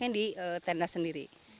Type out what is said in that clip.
ternyata aku masaknya di tenda sendiri